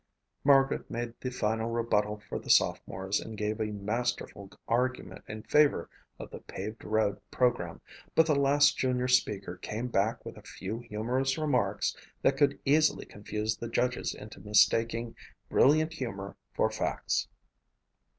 Margaret made the final rebuttal for the sophomores and gave a masterful argument in favor of the paved road program but the last junior speaker came back with a few humorous remarks that could easily confuse the judges into mistaking brilliant humor for facts.